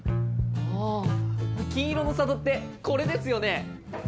ああ金色の郷ってこれですよね？